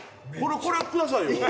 これくださいよ。